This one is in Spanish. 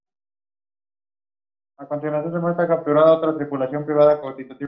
Hay mucho trabajo que hacer durante el proceso de iniciación.